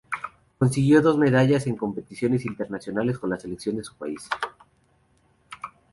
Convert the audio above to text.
Consiguió dos medallas en competiciones internacionales con la selección de su país.